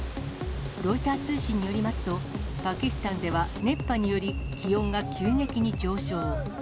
ロイター通信によりますと、パキスタンでは熱波により、気温が急激に上昇。